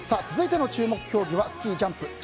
続いての注目競技はスキージャンプ。